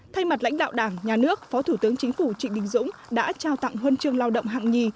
thay mặt lãnh đạo đảng nhà nước phó thủ tướng chính phủ trịnh đình dũng đã trao tặng huân chương lao động hạng nhì